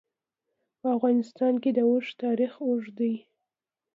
په افغانستان کې د اوښ تاریخ اوږد دی.